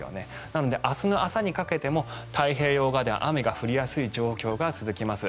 なので明日の朝にかけても太平洋側では雨が降りやすい状況が続きます。